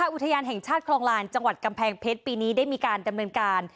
อุทยานแห่งชาติคลองลานจังหวัดกำแพงเพชรปีนี้ได้มีการดำเนินการ